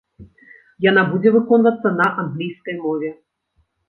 Яна будзе выконвацца на англійскай мове.